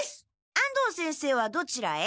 安藤先生はどちらへ？